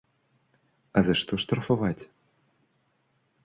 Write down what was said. А за што штрафаваць?